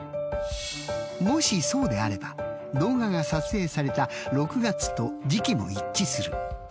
もしそうであれば動画が撮影された６月と時期も一致する。